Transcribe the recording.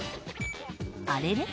あれれ？